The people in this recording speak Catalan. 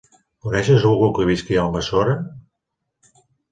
Coneixes algú que visqui a Almassora?